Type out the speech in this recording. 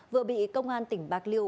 vừa bị công an tỉnh bạc liêu